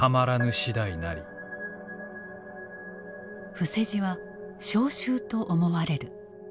伏せ字は召集と思われる。